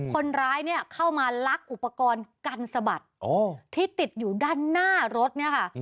คนร้ายเนี่ยเข้ามาลักอุปกรณ์กันสะบัดที่ติดอยู่ด้านหน้ารถเนี่ยค่ะ